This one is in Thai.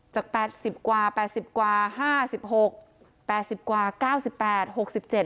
แปดสิบกว่าแปดสิบกว่าห้าสิบหกแปดสิบกว่าเก้าสิบแปดหกสิบเจ็ด